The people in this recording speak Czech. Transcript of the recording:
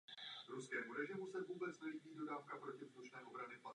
Je velmi důležité, aby byla tato spolupráce posílena.